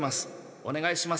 おねがいします。